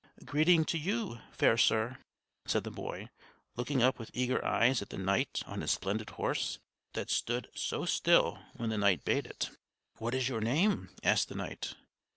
"Greeting to you, fair sir," said the boy, looking up with eager eyes at the knight on his splendid horse, that stood so still when the knight bade it. "What is your name?" asked the knight.